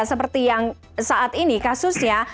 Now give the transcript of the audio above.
seperti yang saat ini kasusnya